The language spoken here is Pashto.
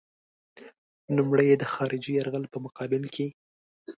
لومړی یې د خارجي یرغل په مقابل کې.